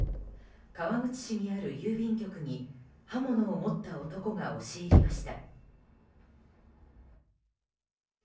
川口市にある郵便局に刃物を持った男が押し入りました。